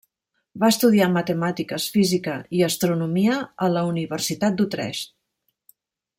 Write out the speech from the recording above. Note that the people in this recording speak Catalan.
Va estudiar matemàtiques, física i astronomia a la Universitat d'Utrecht.